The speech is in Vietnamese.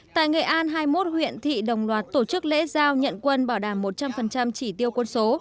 tại nghệ an hai mươi một huyện thị đồng loạt tổ chức lễ giao nhận quân bảo đảm một trăm linh chỉ tiêu quân số